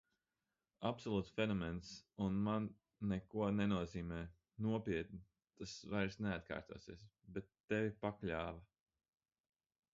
Absolūts fenomens un man neko nenozīmē, nopietni, tas vairs neatkārtosies.... bet tevi pakļāva!